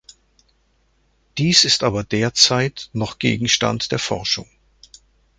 Dies ist aber derzeit noch Gegenstand der Forschung.